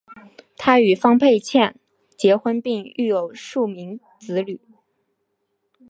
他与方佩倩结婚并育有数名子女。